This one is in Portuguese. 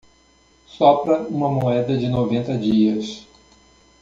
Sopra uma moeda de noventa dias